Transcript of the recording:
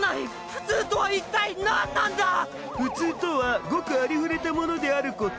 普通とはごくありふれたものであること。